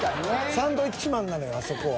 サンドウィッチマンなのよあそこは。